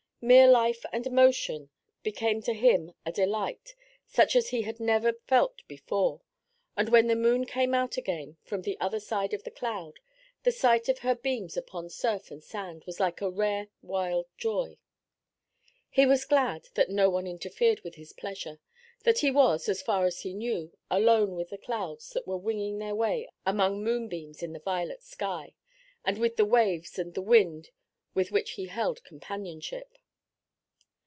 Mere life and motion became to him a delight such as he had never felt before; and when the moon came out again from the other side of the cloud, the sight of her beams upon surf and sand was like a rare wild joy. He was glad that no one interfered with his pleasure, that he was, as far as he knew, alone with the clouds that were winging their way among moonbeams in the violet sky, and with the waves and the wind with which he held companionship.